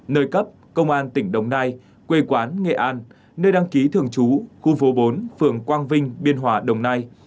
nơi cấp công an tỉnh đồng nai quê quán nghệ an nơi đăng ký thường trú khu phố bốn phường quang vinh biên hòa đồng nai